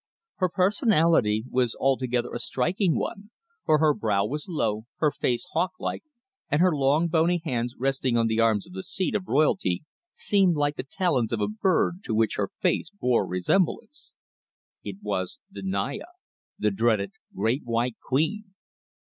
Her personality was altogether a striking one, for her brow was low, her face hawk like, and her long, bony hands resting on the arms of the seat of royalty seemed like the talons of the bird to which her face bore resemblance. It was the Naya, the dreaded Great White Queen!